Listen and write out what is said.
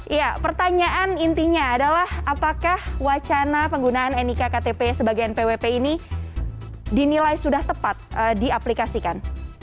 iya pertanyaan intinya adalah apakah wacana penggunaan nik ktp sebagai npwp ini dinilai sudah tepat diaplikasikan